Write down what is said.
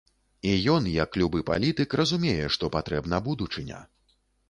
І ён, як любы палітык, разумее, што патрэбна будучыня.